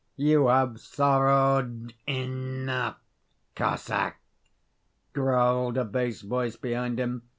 "You have sorrowed enough, Cossack," growled a bass voice behind him.